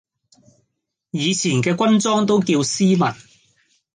以前嘅軍裝都叫斯文